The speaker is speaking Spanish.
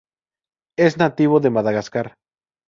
Es nativo de Madagascar.